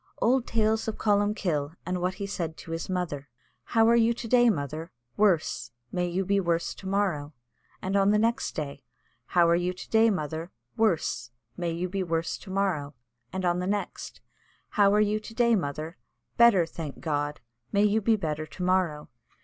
Old tales of Columkill, and what he said to his mother. "How are you to day, mother?" "Worse!" "May you be worse to morrow;" and on the next day, "How are you to day, mother?" "Worse!" "May you be worse to morrow;" and on the next, "How are you to day, mother?" "Better, thank God." "May you be better to morrow."